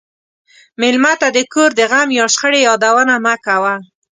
مېلمه ته د کور د غم یا شخړې یادونه مه کوه.